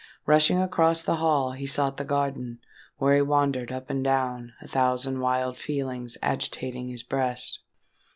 Rushing across the hall, he sought the garden, where he wandered up and down, a thousand wild feelings agitating his breast.